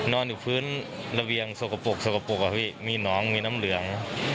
นอนอยู่พื้นระเบียงสกปรกมีหนองมีน้ำเหลือง